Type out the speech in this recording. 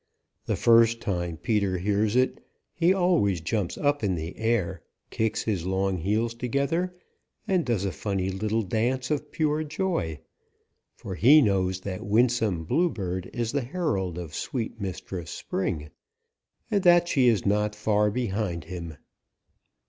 The first time Peter hears it he always jumps up in the air, kicks his long heels together, and does a funny little dance of pure joy, for he knows that Winsome Bluebird is the herald of sweet Mistress Spring, and that she is not far behind him.